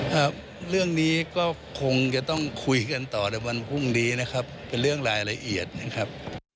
ครับเรื่องนี้ก็คงจะต้องคุยกันต่อในวันพรุ่งนี้นะครับเป็นเรื่องรายละเอียดนะครับ